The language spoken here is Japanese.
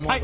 はい。